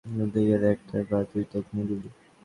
উর্ধ্বে গেলে একটা বা দুইটা কিনে দিবি।